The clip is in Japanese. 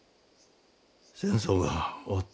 戦争が終わった。